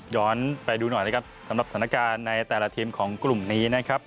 ไปดูหน่อยนะครับสำหรับสถานการณ์ในแต่ละทีมของกลุ่มนี้นะครับ